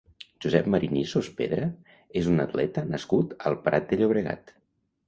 Josep Marín i Sospedra és un atleta nascut al Prat de Llobregat.